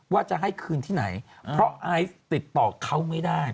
ว่าจะให้คืนที่ไหนเพราะไอซ์ติดต่อเขาไม่ได้